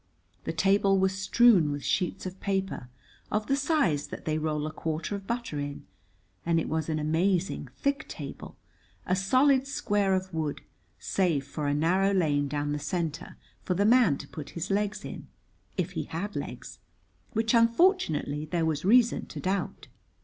The table was strewn with sheets of paper of the size that they roll a quarter of butter in, and it was an amazing thick table, a solid square of wood, save for a narrow lane down the centre for the man to put his legs in if he had legs, which unfortunately there was reason to doubt.